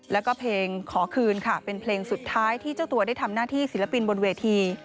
แล้วก็เพลงขอคืนค่ะเป็นเพลงสุดท้ายที่เจ้าตัวได้ทำหน้าที่ศิลปินบนเวที